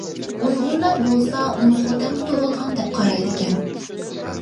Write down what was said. ئۇيغۇرلار بولسا ئۇنى خوتەندە تۇغۇلغان دەپ قارايدىكەن.